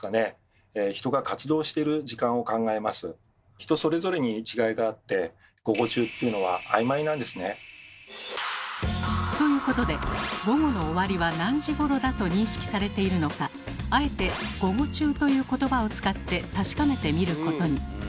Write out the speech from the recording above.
人それぞれに違いがあってということで午後の終わりは何時ごろだと認識されているのかあえて「午後中」という言葉を使って確かめてみることに。